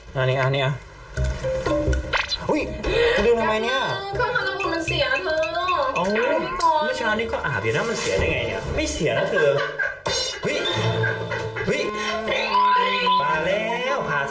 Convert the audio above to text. มารับจริงมาจ๊ะ